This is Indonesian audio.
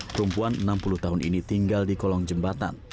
perempuan enam puluh tahun ini tinggal di kolong jembatan